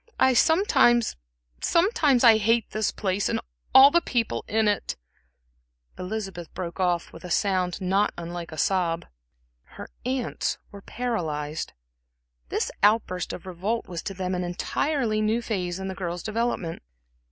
I I s sometimes I hate this place, and all the people in it," Elizabeth broke off, with a sound not unlike a sob. Her aunts were paralyzed. This outburst of revolt was to them an entirely new phase in the girl's development.